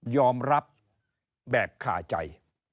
ยอมรับแบบคาใจ